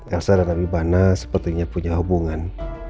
elsa dan rabibana sepertinya punya hubungan